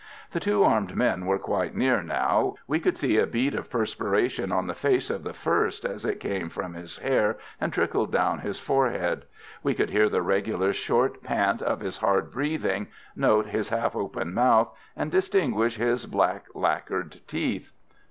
The two armed men were quite near now. We could see a bead of perspiration on the face of the first as it came from his hair and trickled down his forehead. We could hear the regular, short pant of his hard breathing, note his half open mouth, and distinguish his black lacquered teeth.